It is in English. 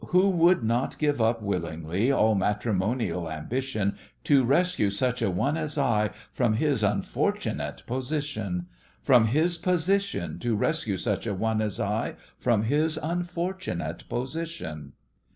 Who would not give up willingly All matrimonial ambition, To rescue such a one as I From his unfortunate position? From his position, To rescue such an one as I From his unfortunate position?